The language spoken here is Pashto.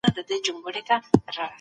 که ښوونکی عادل وي، باور له منځه نه ځي.